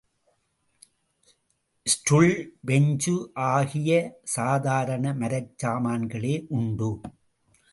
Stool, bench ஆகிய சாதாரண மரச்சாமான்களே உண்டு.